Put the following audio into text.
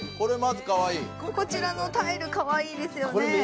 こちらのタイル、かわいいですよね